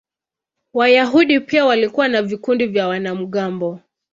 Wayahudi pia walikuwa na vikundi vya wanamgambo.